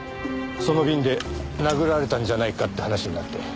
そのビンで殴られたんじゃないかって話になって。